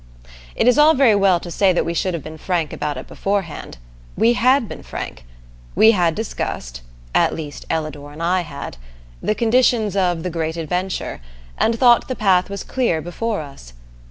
It is all very well to say that we should have been frank about it beforehand. We had been frank. We had discussed at least Ellador and I had the conditions of The Great Adventure, and thought the path was clear before us.